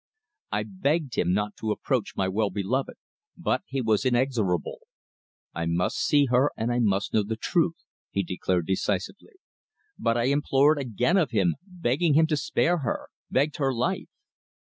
I begged him not to approach my well beloved, but he was inexorable. "I must see her and I must know the truth," he declared decisively. But I implored again of him, begging him to spare her begged her life.